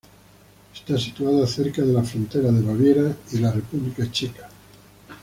Está situada cerca de la frontera de Baviera y la República Checa.